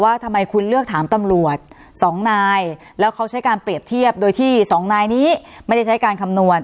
ว่าทำไมคุณเลือกถามตำรวจสองนายแล้วเขาใช้การเปรียบเทียบโดยที่สองนายนี้ไม่ได้ใช้การคำนวณ